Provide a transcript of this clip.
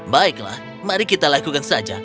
baiklah mari kita lakukan saja